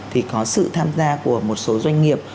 thì có sự tham gia của một số doanh nghiệp